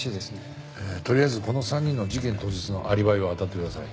とりあえずこの３人の事件当日のアリバイをあたってください。